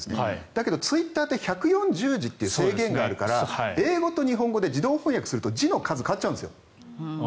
だけど、ツイッターって１４０字という制限があるから英語と日本語で翻訳すると字の数が変わるんです。